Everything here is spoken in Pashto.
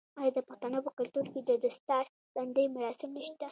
آیا د پښتنو په کلتور کې د دستار بندی مراسم نشته؟